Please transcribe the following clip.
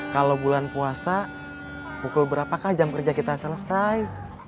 kalau bulan puasa pukul berapakah jam kerja kita selesai